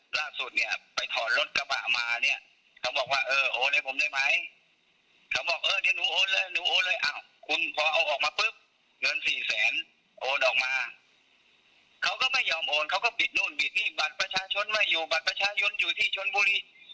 บัตรประชาชนไม่อยู่บัตรประชายุนอยู่ที่ชนบุรี